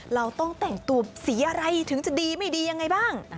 เราต้องแต่งตัวสีอะไรถึงจะดีไม่ดียังไงบ้าง